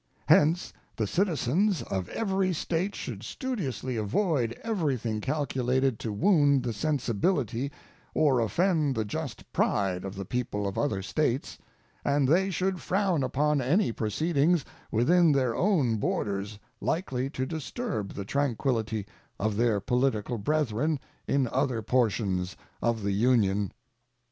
Hence the citizens of every State should studiously avoid everything calculated to wound the sensibility or offend the just pride of the people of other States, and they should frown upon any proceedings within their own borders likely to disturb the tranquillity of their political brethren in other portions of the Union.